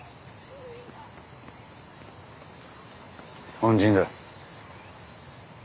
恩人だ。